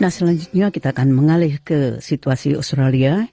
nah selanjutnya kita akan mengalih ke situasi australia